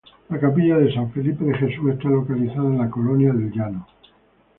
La capilla de San Felipe de Jesús está localizada en la colonia del Llano.